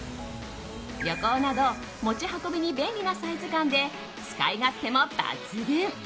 旅行など持ち運びに便利なサイズ感で使い勝手も抜群。